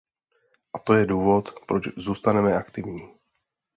A to je důvod, proč zůstaneme aktivní.